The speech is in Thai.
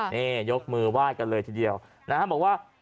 นี่ยกมือวาดกันเลยทีเดียวนะครับบอกว่า